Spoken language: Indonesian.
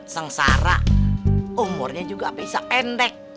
sengsara umurnya juga bisa pendek